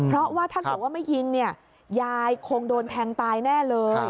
เพราะว่าถ้าเกิดว่าไม่ยิงเนี่ยยายคงโดนแทงตายแน่เลย